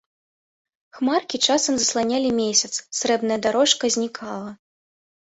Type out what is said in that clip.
Хмаркі часам засланялі месяц, срэбная дарожка знікала.